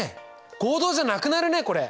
合同じゃなくなるねこれ。